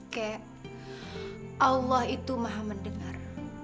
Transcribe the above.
kayak allah itu maha mendengar